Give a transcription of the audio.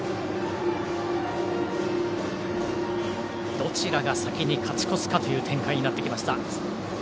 どちらが先に勝ち越すかという展開になってきました。